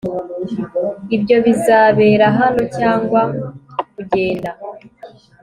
ibyo bizabera hano cyangwa kugenda